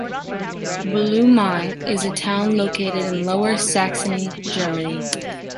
Buluomei is a town located in Lower Saxony, Germany.